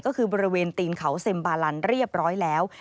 ก็คือบริเวณตีนเขาเซ็มบาลันเรียบร้อยแล้ว